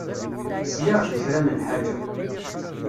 Sliɣ-d i kra n lḥaǧa.